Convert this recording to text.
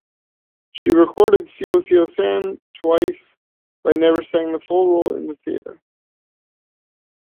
She recorded Cio-Cio-San twice but never sang the full role in the theater.